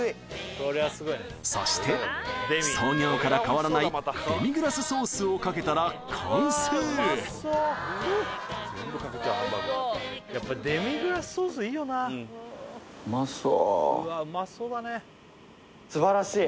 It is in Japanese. そして創業から変わらないデミグラスソースをかけたら完成素晴らしい！